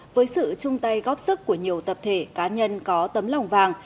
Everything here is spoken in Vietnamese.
với sự chung tay góp sức của nhiều tập thể cá nhân có tấm lòng vàng